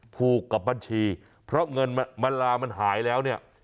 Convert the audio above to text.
ผูกกับบัญชีเพราะเงินมันลามันหายแล้วเนี่ย